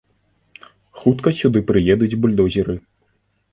Хутка сюды прыедуць бульдозеры.